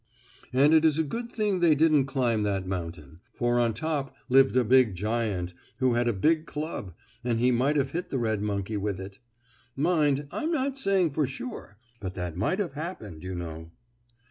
And it is a good thing they didn't climb that mountain. For on top lived a big giant who had a big club, and he might have hit the red monkey with it. Mind, I'm not saying for sure, but that might have happened, you know.